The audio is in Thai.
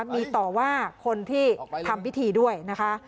มีต่อว่าคนที่ทำพิธีด้วยนะคะ